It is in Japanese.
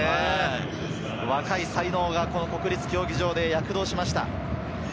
若い才能が国立競技場で躍動しました。